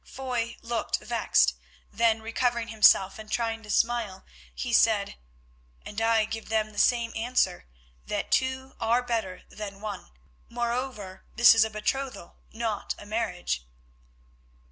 Foy looked vexed. Then recovering himself and trying to smile, he said: "And I give them the same answer—that two are better than one; moreover, this is a betrothal, not a marriage."